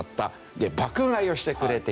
で爆買いをしてくれていた。